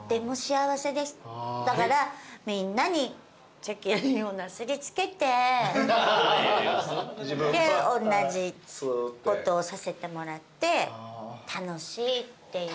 だからみんなに責任をなすり付けてでおんなじことをさせてもらって楽しいっていう。